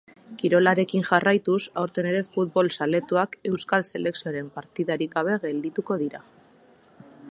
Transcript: Kirolarekin jarraituz, aurten ere futbol zaletuak euskal selekzioaren partidarik gabe geldituko dira.